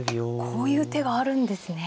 こういう手があるんですね。